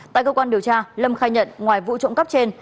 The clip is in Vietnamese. tại cơ quan điều tra lâm khai nhận ngoài vụ trộm cắp trên